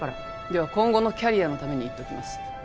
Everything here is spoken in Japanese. では今後のキャリアのために言っておきます。